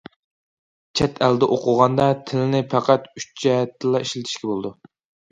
چەت ئەلدە ئوقۇغاندا، تىلنى پەقەت ئۈچ جەھەتتىلا ئىشلىتىشكە بولىدۇ.